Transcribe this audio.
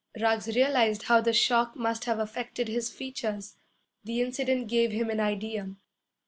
Ruggs realized how the shock must have affected his features. The incident gave him an idea.